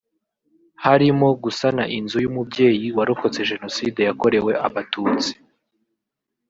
harimo gusana inzu y’umubyeyi warokotse Jenoside yakorewe abatutsi